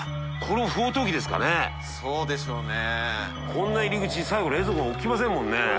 こんな入口に最後冷蔵庫置きませんもんね。